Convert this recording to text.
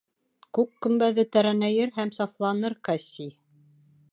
Күк көмбәҙе тәрәнәйер һәм сафланыр, Кассий.